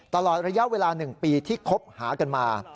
ตลอดระยะเวลา๑ปีที่คบหากันมา